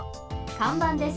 かんばんです。